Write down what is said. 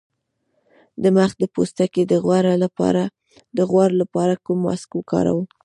د مخ د پوستکي د غوړ لپاره کوم ماسک وکاروم؟